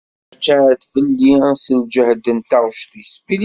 Yeččaɛčaɛ-d fell-i s lǧehd n taɣect-is.